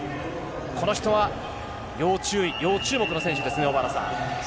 この人は要注意、要注目の選手ですね、小原さん。